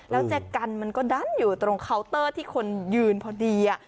แล้วแจ็คกันมันก็ดันอยู่ตรงเคาน์เตอร์ที่คนยืนพอดี